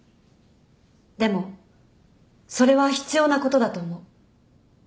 でもそれは必要なことだと思う。